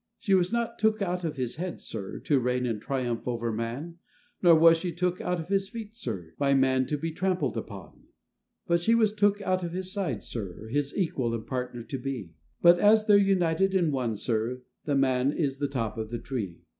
She was not took out of his head, sir, To reign and triumph over man; Nor was she took out of his feet, sir, By man to be trampled upon. But she was took out of his side, sir, His equal and partner to be; But as they're united in one, sir, The man is the top of the tree.